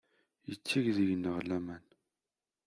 Yetteg deg-neɣ laman.